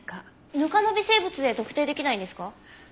ぬかの微生物で特定できないんですか？